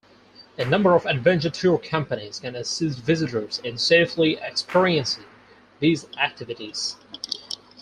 A number of adventure tour companies can assist visitors in safely experiencing these activities.